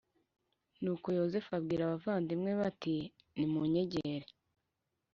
Nuko yozefu abwira abavandimwe be ati nimunyegere